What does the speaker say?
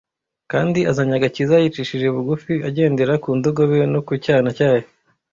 kandi azanye agakiza yicishije bugufi, agendera ku ndogobe no ku cyana cyayo."